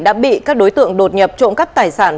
đã bị các đối tượng đột nhập trộm cắp tài sản